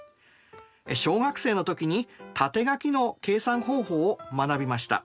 小学生のときに縦書きの計算方法を学びました。